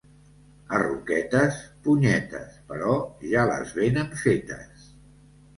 A Roquetes, punyetes, però ja les venen fetes.